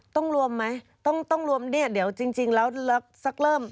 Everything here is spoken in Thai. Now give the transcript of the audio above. ต้องรวมไหมต้องต้องรวมเนี่ยเดี๋ยวจริงแล้วสักเริ่ม